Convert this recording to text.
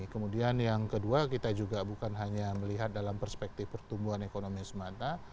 kemudian yang kedua kita juga bukan hanya melihat dalam perspektif pertumbuhan ekonomi semata